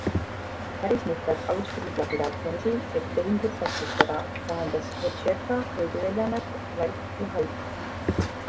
Päris mitmed alustasid läbirääkimisi, et tehingut täpsustada, vahendas Vecherka veebiväljaannet Life ja HYPE.